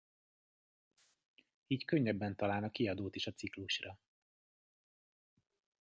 Így könnyebben találna kiadót is a ciklusra.